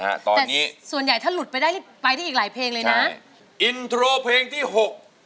แต่ตอนนี้ส่วนใหญ่ถ้าหลุดไปได้ไปได้อีกหลายเพลงเลยนะอินโทรเพลงที่หก